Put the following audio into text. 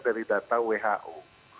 dari data who